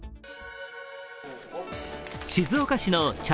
静岡市の茶